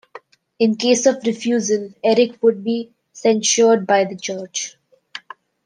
In case of refusal, Eric would be censured by the Church.